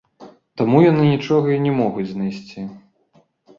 Таму яны нічога і не могуць знайсці.